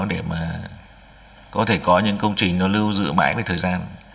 để mà có thể có những công trình nó lưu dựa mãi với thời gian